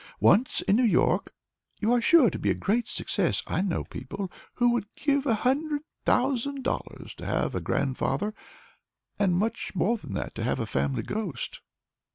Once in New York, you are sure to be a great success. I know lots of people there who would give a hundred thousand dollars to have a grandfather, and much more than that to have a family ghost."